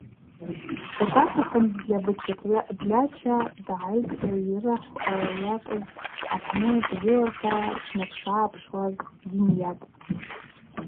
Датацахын Тлабыча тлача дгӏайтӏ, йырахв ъаквыз, апны дгылата дшнапшагӏапшуаз дйынйатӏ.